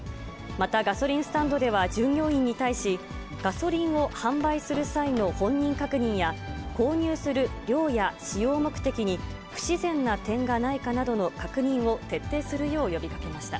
またガソリンスタンドでは従業員に対し、ガソリンを販売する際の本人確認や、購入する量や使用目的に不自然な点がないかなどの確認を徹底するよう呼びかけました。